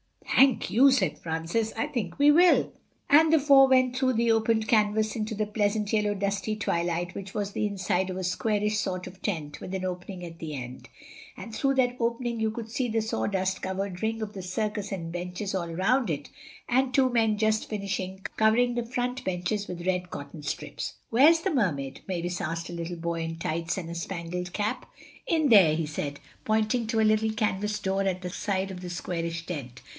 "Thank you," said Francis, "I think we will." And the four went through the opened canvas into the pleasant yellow dusty twilight which was the inside of a squarish sort of tent, with an opening at the end, and through that opening you could see the sawdust covered ring of the circus and benches all around it, and two men just finishing covering the front benches with red cotton strips. "Where's the Mermaid?" Mavis asked a little boy in tights and a spangled cap. "In there," he said, pointing to a little canvas door at the side of the squarish tent.